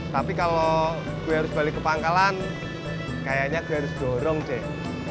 tapi kalau gue harus balik ke pangkalan kayaknya gue harus dorong sih